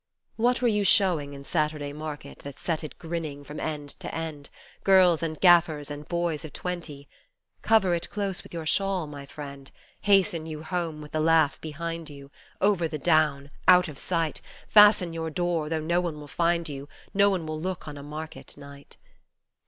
What were you showing in Saturday Market That set it grinning from end to end Girls and gaffers and boys of twenty ? Cover it close with your shawl, my friend Hasten you home with the laugh behind you, Over the down , out of sight, Fasten your door, though no one will find you No one will look on a Market night.